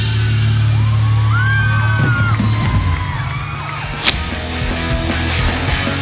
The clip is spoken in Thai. ส่วนยังแบร์ดแซมแบร์ด